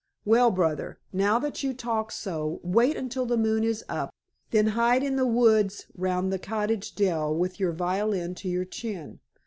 Well, brother, now that you talk so, wait until the moon is up, then hide in the woods round the cottage dell with your violin to your chin.